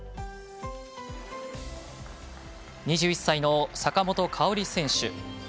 ２１歳の坂本花織選手。